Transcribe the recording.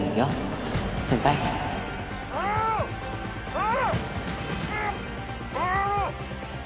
「ああ」